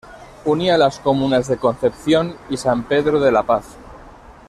Unía las comunas de Concepción y San Pedro de la Paz.